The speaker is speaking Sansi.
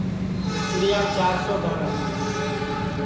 ہُوسڑیام چِار سو گھر ہے